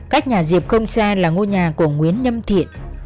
cách nhà diệp không xa là ngôi nhà của nguyễn nâm thiện